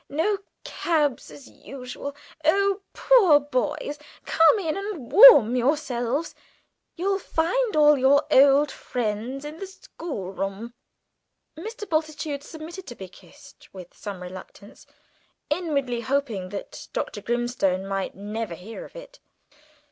No cabs as usual. You poor boys! come in and warm yourselves. You'll find all your old friends in the schoolroom." Mr. Bultitude submitted to be kissed with some reluctance, inwardly hoping that Dr. Grimstone might never hear of it.